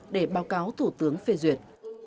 để báo cáo thủ tướng phê duyệt